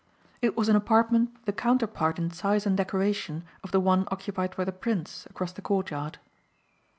It was an apartment the counterpart in size and decoration of the one occupied by the prince, across the courtyard.